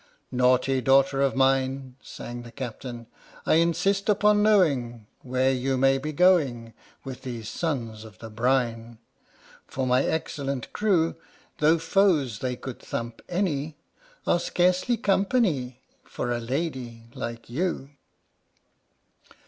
Naughty daughter of mine {sang the Captain) I insist upon knowing Where you may be going With these sons of the brine? For my excellent crew, Though foes they could thump any, Are scarcely company For a lady like you